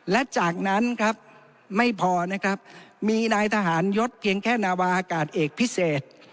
และจากนั้นครับไม่พอนะครับมีนายทหารยศเพียงแค่นาวาอากาศเอกพิเศษ